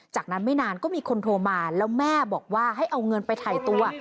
จากนั้นไม่นานก็มีคนโทรมาแล้วแม่บอกว่าให้เอาเงินไปถ่ายตัว